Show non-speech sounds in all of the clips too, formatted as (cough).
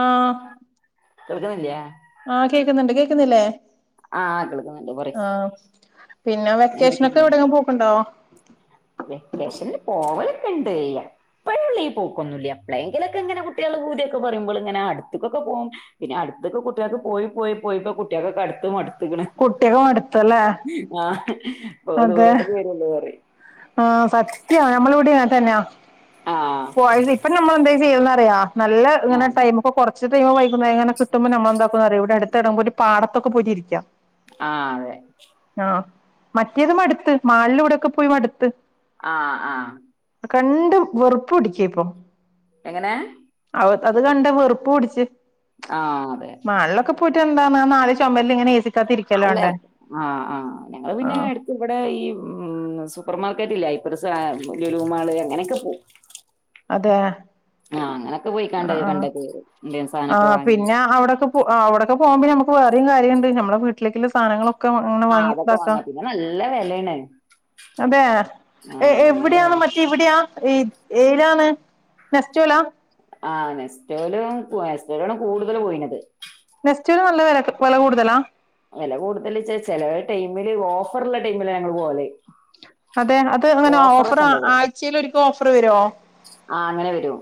ആഹ് കേൾക്ക്ണില്യേ ആഹ് കേക്കുന്ന്ണ്ട് കേക്ക്ന്നില്ലേ ആഹ് (unintelligible) പറി പിന്നെ വെക്കേഷനക്കെ എവിടേം പോക്ക്ണ്ടോ ക്കണ്ട് എപ്പഴുള്ള ഈ പോക്കൊന്നൂല്ല്യ എപ്പളേങ്കിലൊക്കെ ഇങ്ങനെ കുട്ടികൾ പൂതിയൊക്കെ പറയുമ്പൾ ഇങ്ങനെ അടുത്തക്കൊക്കെ പോവും പിന്നെ അടുത്ത്ക്ക് കുട്ടികൾക്ക് പോയി പോയി പോയിപ്പോ കുട്ടിയോൾക്കൊക്കെ അട്ത്ത് മട് കുട്ടി യോക്ക് മടുത്തല്ലേ ഓ അതെ ദൂരത്ത്ക്ക് വരുള്ളൂ പറിഠ ആഹ് പോയ (unintelligible) ഇപ്പ നമ്മള് എന്ത (unintelligible) പയാ നല്ല ഇങ്ങനെ ടൈമ് ഒക്കെ കൊറച്ച് ടൈമ് വൈകുന്നേരങ്ങനെ കിുമ്പോ നമ്മൾ എന്താക്കുന്നറിയ ഇവ്ടെ അടുത്തെട ഒരു പാടത്തൊക്കെ പോയിരിക്യ ആഹ് അതെ മറ്റേതും മടുത്ത് മാളിലൂടെൊക്കെ പോയി മടു ത്ത് ആഹ് ആഹ് കണ്ടും വെറുപ്പ് പിടിക്ക ഇപ്പോ എങ്ങനെ അത് കണ്ട വെറുപ്പ് കുടിച്ച് ആഹ അതെ നല് ചുമമ്പല ഇങ്ങന അല്ലെ ആഹ ആഹ് ഞങ്ങള് പിന്നെ ആഹ് അടുത്ത് ഇവിടെ ഈ ഉം സൂപ്പർ മാർക്കറ്റ് ഇല്ല ഇപ്പ ലലു മാള് അങ്ങനെയൊക്കെ പോ അതെ ആഹ അങ്ങനെയൊക്കെ ആ പോയിക്കാണ്ട ആ കണ്ട പ ഇന്ത്യൻ സാധനമൊക്കെ വാങ്ങി പോകുമോ നമു വേറെ കാര്യണ്ട് നമ്മുടെ വീട്ടിലക്കുള്ള സാധനങ്ങള അങ്ങനെ ആഹ് അതൊക്കെ വാങ്ങാ വാങ്ങിതാക്കാം പിന്നെ നല്ല വെലേണ് അതെ ആഹ് നല്ല എവിടെയാണ് വെല മറ്റേ ഇവിടെയാ ഏ ഏ ഇതാണ് നശിച്ചല ആ നെസ്റ്റോല നെസ്റ്റോലാണ് കൂടുതൽ പോയിണത് ഫെസ്റ്റിവൽ നല്ല വില വില കൂടുതലാ വില കൂടുതൽ ചെില ടൈമില് ഓഫറള്ള ടൈമില് ഞങ്ങള്ൾ പോവലെ അതെ അത് അങ്ങനെ ഓഫർ ഇണ്ടാവൂലെ ആഴ്ചൽ ഒരിക്കും ഓഫർ വരുമോ ആഹ് അങ്ങനെ വരും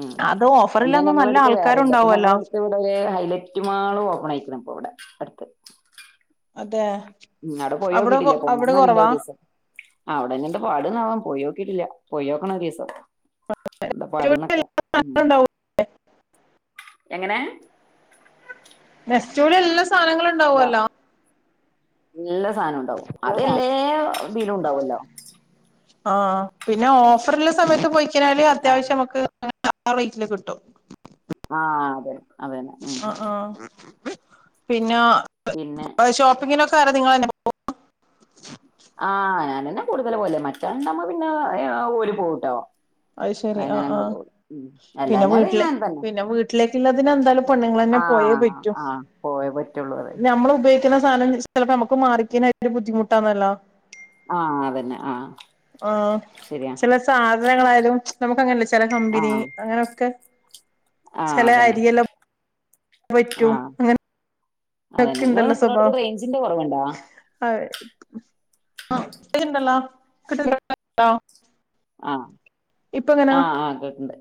ഉം അത് പിന്നെ ഓഫറില്ലന്നും നല്ല ആൾക്കാരുണ്ടാവല്ലോ സെലറ്റ് മാ ഓപ്പൺ ആയി പോവിടെ അടുത്ത് അതെ ഉം് അവിടെ പോയോക്കിയിട്ടില്ലേ പോന്ന അവിടെ അറണ്ട കുറവാ ഒരു ദിവസം ആ അവിടെന്നെ പാടുന്നവാൻ പോയിോക്കി ിട്ടില്ല പോയിോക്കണ ദീസം എന്താ പാടുന്നൊക്കെ ഉ എങ്ങനെ ബസ്ോള എല്ല സാധനങ്ങൾ ഉണ്ടാവുമല്ലോ ഇല്ല സാനം ഉണ്ടാവും അതല്ലേ വീിലും ഉണ്ടാവല്ലോ ആ പിന്നെ ഓഫറുള്ള സമയത്ത് പോയി എരിക്കനാലും ആഹ് അത്യാവശ്യം നമുക്ക് അ റേറ്റില് കിട്ടും ആഹ അതെ ആഹ ആഹ പിന്നെ പിന്നെ ഷോപ്പിംഗിനൊക്കെ റെ നിങ്ങന്നെ പോ ആഹ് ഞാാനന്നെ കൂടുതൽ പോലെ മറ്റേണ്ടമ്മ പിന്നെ ഓര് പോട്ടോ അത് ശരി ആഹ ആഹ പിന്നെ അല്ലാഞ്ഞാല് വീട്ടിലെ പിന്നെ വീട്ടിലേക്കുള്ള പിന്നെന്താലും ആഹ ആഹ് പോയ പറ്റുള്ളൂ അതെ മുറിക്കുന്ന സാധനം ചില പ്പോ നമുക്ക് മാർക്ക് ചെയ്യാനിയിട്ട് ബുദ്ധിമുട്ടന്നല്ലോ ആഹ് അതന്നെ ആഹ ആഹ ചെല സാധന ങ്ങളാലും നമുങ്ങനെ ചെല കമ്പനി ആഹ് അങ്ങനെയൊക്കെ ആഹ് ചില അതന്നെ അരിയെല്ലാം പറ്റൂ അങ്ങനെ അതെന്നെ നിങ്ങള് നിക്കുന്നോടത് റേഞ്ചിന്റെ കൊറവ്ണ്ടോ ആണ്ടല്ലോ കിട്ടോ (unintelligible) ആഹ ആഹ് ആഹ് കേട്ടിണ്ട്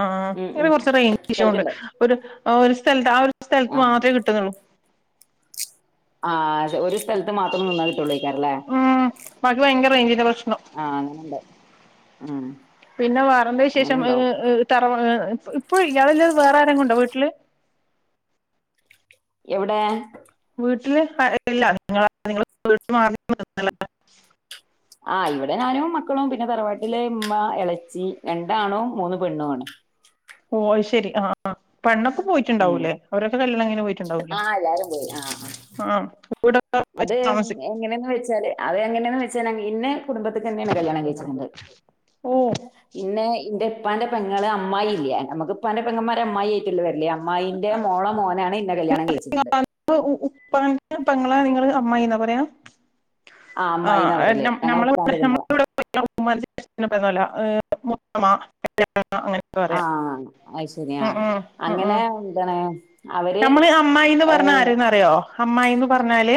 ആഹ് ഇങ്ങനെ കൊറച്ചു റേഞ്ച് ഇഷ്യുണ്ട് കേൾക്കണ്ട് ഒരു- ആ ഒരു സ്ഥല- ആ ഒരു സ്ഥലത്ത് ആഹ് മാത്രമേ കിട്ടുന്നുള്ളൂ ആഹ് ഒരു സ്ഥലത്ത് മാത്രം നിന്നാ കിട്ടുള്ളൂക്കാറല്ലേ മ ഭയരേഞ്ജ (unintelligible) റെയിഞ്ചിന്റ പ്രശ്നം - ആഹ് അങ്ങനെ ഒണ്ട് പിന്നെ മറന്നേന് ശേഷം തറ- ഇപ്പ ഇയാളല്ലാതെ വേറെ ആരെയൊണ്ടോ വീട്ടില് എവിടെ വീട്ടില് ഇല്ല നിങ്ങള് (unintelligible) ആ ഇവിടെ ഞാനും മക്കളും പിന്നെ തറവാട്ടിലെ ഉമ്മ എളച്ചി രണ്ടാണും മൂന്ന് പെണ്ണും ആണ് ഓ ശരി ആഹ് ആഹ് പണ്ണ- പോയിട്ടുണ്ടാവുല്ലേ അവരൊക്കെ കല്യണം കഴ്ഞ്ഞ് പോയി ആഹ് എല്ലാരും പോയി ആഹ് വീടൊക്കെ അത് വെച്ച് താമസി എങ്ങനെയന്ന് വെച്ചാല് അത് എങ്ങനെയ വെ ചനം ഇന്ന് കുടുംബത്തിക്കന്നെണ് കല്യാണം കഴിച്ച (unintelligible) തുണ്ട് ഓ ഇന്ന് ഇന്റെ ഇപ്പാന്റെ പെങ്ങളെ അമ്മായില്ലെ അമക്ക് ഇപ്പാന്റെ പെന്മാരെ അമ്മായി ആയ്ട്ടെല്ലെ വര്ല് (unintelligible) (unintelligible) (unintelligible) (unintelligible) കഴിച്ചിട്ടുണ്ട് (unintelligible) ഉം ഇങ്ങള് അമ്മായിന്നാ പറ്യ ആഹ് അമ്മായീന്ന് പറർല് ഞങ്ങളെ ഉപ്പാന്റെ പെങ്ങള മ പറല മൊത്ത ആഹ അ ശരിയാ ഉം ഉം ഉം അങ്ങനെ ഉം എന്താണ് അവര് നമ്മള് അമ്മായിന്ന് ഏ പറഞ്ഞ ആരന്ന് അറിയോ അമ്ന്ന് പറഞ്ഞാല്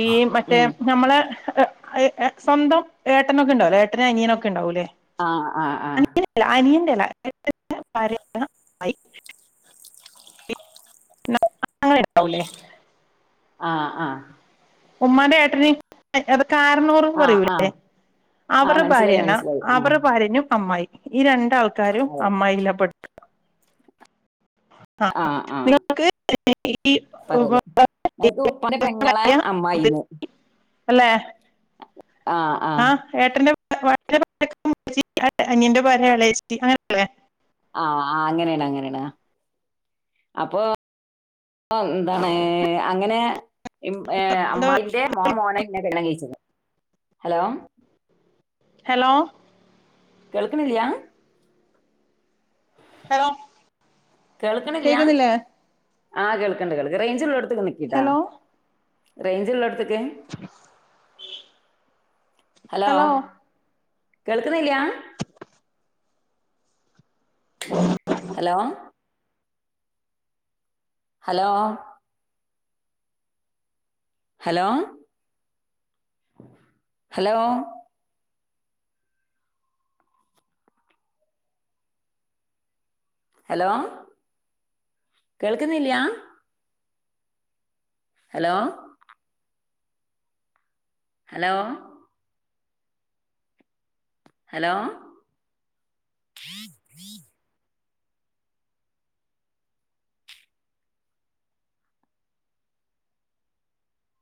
ഈ മറ്റേ ഉം നമ്മള ഏഏ സ്വന്തംഏട്ടനക്കെ ഉണ്ടാവല്ലോ ഏട്ടന അനിയനൊക്കെ ഉണ്ടാവുംല്ലേ ആഹ ആഹ് ആഹ ര ആ എന്ന ങ്ങെണ്ടാവല്ലേ ആഹ ആഹ ഉമ്മാന്റെ ഏട്ടന് കാരണൂറും ആഹ് ആഹ് പറയൂല്ലേ ആഹ് അവടെ മനസ്സിലായി ഭാര്യന മനസ്സിലായി ആഹ് അവരു ഭാര്യനയും അമ്മായി ഈ രണ്ടാൾക്കാരും അതെ അമ്മായില്ലപ്പെെടു ആഹ് ആഹ ആഹ നിങ്ങൾക്ക് ഈ പറലേ അക്ക് ഉപ്പണ പെങ്ങളെ അമ്മ്മന്ന് അല്ലേ ആഹ ഏട്ടന്റെ അന്യന്റെ ഭളച്ച അങ്ങനെയല്ലേ ആ ആ അങ്ങനെയാണ് അങ്ങനെയാണ് അപ്പൊ എന്താണ് അങ്ങനെ അമ്മായിന്റെ മോ മോനെ ഇന്നെ വെള്ളം കഴിച്ചത് ഹലോ ഹലോ കേൾക്കണില്ലയാ ഹലോ കേക്കുന്നില്ലേ ആ കേൾക്കണ്ട കേൾ റേചിൽ ിക്കട്ടാ ഹലോ േഞ്ചിൽ എടു അ ഹലോ കേൾക്കുന്നില്ലയാാ ഉ hello hello hello hello hello കേൾക്കുന്നില്ലയ ഹലോ ഹലോ ഹലോ